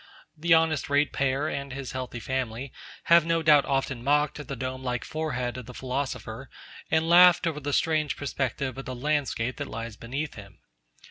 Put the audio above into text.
The honest ratepayer and his healthy family have no doubt often mocked at the dome like forehead of the philosopher, and laughed over the strange perspective of the landscape that lies beneath him.